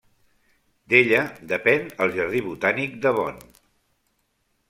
D'ella depèn el Jardí Botànic de Bonn.